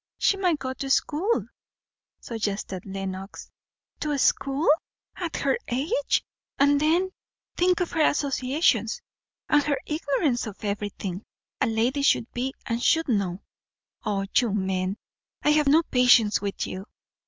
"She might go to school," suggested Lenox. "To school! At her age! And then, think of her associations, and her ignorance of everything a lady should be and should know. O you men! I have no patience with you.